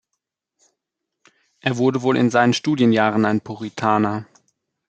Er wurde wohl in seinen Studienjahren ein Puritaner.